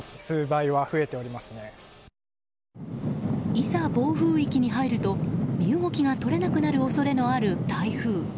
いざ暴風域に入ると身動きが取れなく恐れのある台風。